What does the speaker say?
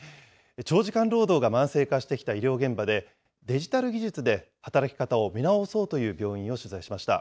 長時間労働が慢性化してきた医療現場で、デジタル技術で働き方を見直そうという病院を取材しました。